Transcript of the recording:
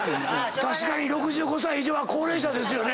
確かに６５歳以上は高齢者ですよね。